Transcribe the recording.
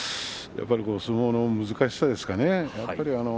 相撲の難しさですかね。